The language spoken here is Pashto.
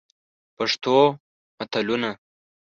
پښتو متلونه: